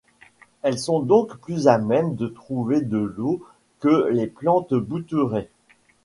Elles sont donc plus à même de trouver de l'eau que les plantes bouturées.